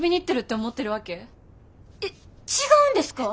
えっ違うんですか？